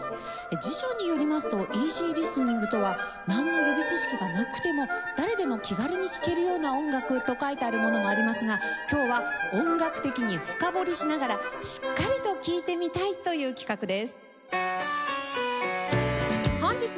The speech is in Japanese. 辞書によりますとイージーリスニングとは「なんの予備知識がなくても誰でも気軽に聴けるような音楽」と書いてあるものもありますが今日は音楽的に深掘りしながらしっかりと聴いてみたいという企画です。